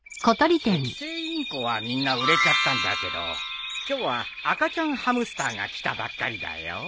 セキセイインコはみんな売れちゃったんだけど今日は赤ちゃんハムスターが来たばっかりだよ。